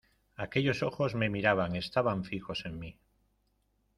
¡ aquellos ojos me miraban, estaban fijos en mí!...